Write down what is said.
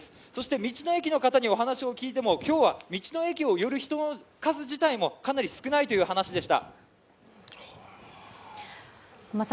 道の駅の方にお話を聞いても、今日は道の駅に寄る人の数自体もかなり少ないという話でした。